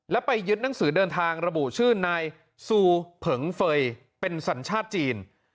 แล้วไปยึดหนังสือเดินทางระบุชื่อนายซูเผิงเฟย์เป็นสัญชาติจีน